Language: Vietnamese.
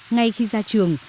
ngay khi ra trường